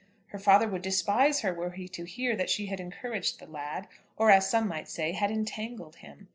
Her father would despise her were he to hear that she had encouraged the lad, or as some might say, had entangled him.